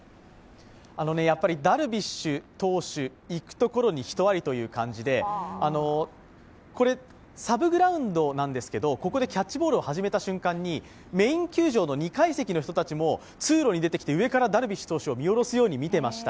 ダルビッシュ投手、行くところに人ありという感じでこれ、サブグラウンドなんですけどここでキャッチボールを始めた瞬間にメイン球場の２階席の人たちも通路に出てきて上からダルビッシュ投手を見下ろすように見ていました。